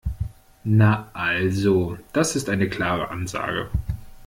Na also, das ist eine klare Ansage.